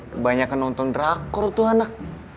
kebanyakan nonton drakor tuh anak